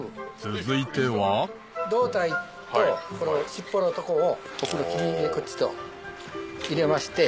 続いては胴体とこの尻尾のとこをこっちと入れまして。